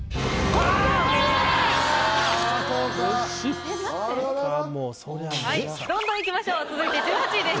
・あららら・はいどんどんいきましょう続いて１８位です。